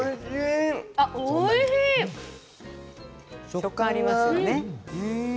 食感がありますよね。